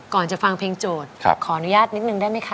จะฟังเพลงโจทย์ขออนุญาตนิดนึงได้ไหมคะ